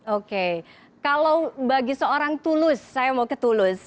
oke kalau bagi seorang tulus saya mau ke tulus